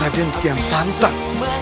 raden jangan santan